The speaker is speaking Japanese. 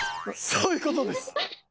そういうことです。